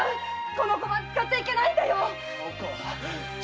この小判使っちゃいけないんだよ